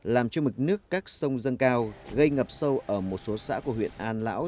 làm cho mực nước các sông dâng cao gây ngập sâu ở một số xã của huyện an lão